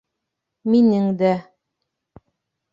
— Минең дә.